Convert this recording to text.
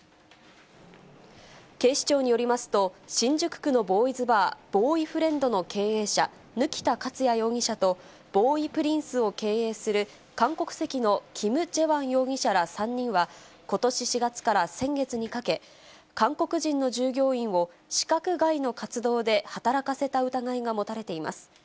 警視庁によりますと、新宿区のボーイズバー、ボーイフレンドの経営者、貫田勝哉容疑者と、ボーイプリンスを経営する韓国籍のキム・ジェワン容疑者ら３人は、ことし４月から先月にかけ、韓国人の従業員を資格外の活動で働かせた疑いが持たれています。